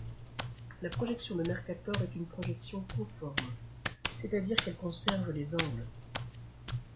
La projection de Mercator est une projection conforme, c’est-à-dire qu'elle conserve les angles.